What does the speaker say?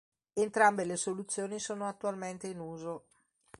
Entrambe le soluzioni sono attualmente in uso.